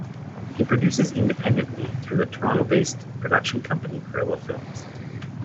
He produces independently through the Toronto-based production company Guerrilla Films.